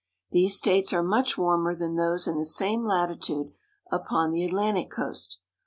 These states are much w^armer than those in the same latitude upon the Atlantic coast.